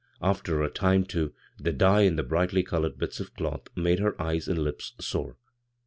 After a time, too, the dye in the brighdy colored bits of cloth made her eyes and lips sore.